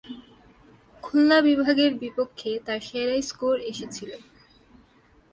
খুলনা বিভাগের বিপক্ষে তার সেরা স্কোর এসেছিল।